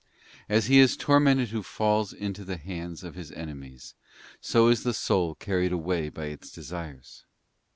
* As he is tormented who falls into the hands of his enemies, so is the soul carried away by its desires.